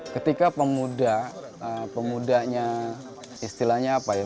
ketika pemuda pemudanya istilahnya apa ya